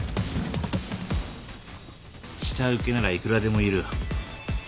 下請けならいくらでもいる。